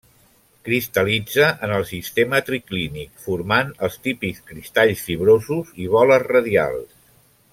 Cristal·litza en el sistema triclínic, formant els típics cristalls fibrosos i boles radials.